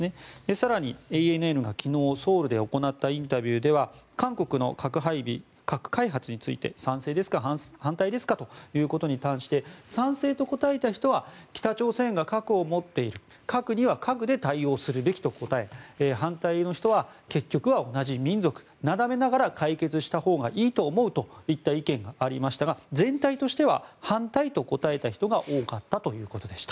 更にＡＮＮが昨日ソウルで行ったインタビューでは韓国の核配備核開発について賛成ですか反対ですかということについて賛成と答えた人は北朝鮮が核を持っている核には核で対応するべきと答え反対の人は結局は同じ民族なだめながら解決したほうがいいと思うといった意見がありましたが全体としては反対と答えた人が多かったということでした。